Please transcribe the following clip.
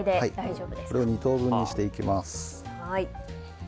これを２等分にしていきます。